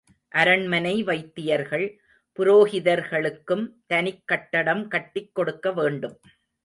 அரண்மனை வைத்தியர்கள், புரோகிதர்களுக்கும் தனிக் கட்டடம் கட்டிக் கொடுக்க வேண்டும்.